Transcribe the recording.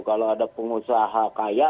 kalau ada pengusaha kaya